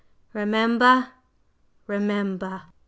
Remember, remember!"